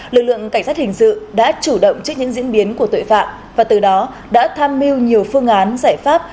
lực lượng cảnh sát hình sự đã chủ động trước những diễn biến của tội phạm và từ đó đã tham mưu nhiều phương án giải pháp